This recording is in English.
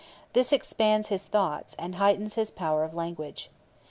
This expands his thoughts, and heightens his power of language.